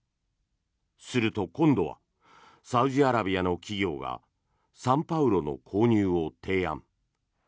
すると、今度はサウジアラビアの企業が「サンパウロ」の購入を提案。